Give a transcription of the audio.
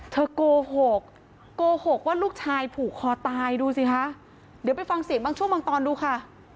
โกหกโกหกว่าลูกชายผูกคอตายดูสิคะเดี๋ยวไปฟังเสียงบางช่วงบางตอนดูค่ะ